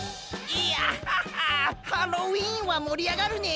いやハロウィーンはもりあがるね！